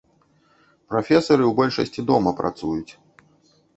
Прафесары ў большасці дома працуюць.